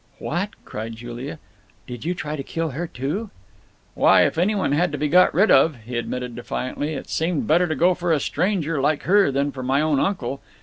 "What?" cried Julia, "did you try to kill her too?" "Why, if anyone had to be got rid of," he admitted defiantly, "it seemed better to go for a stranger, like her, than for my own uncle.